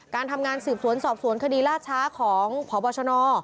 การทำงานสืบสวนสอบสวนคดีล่าช้าของพบชน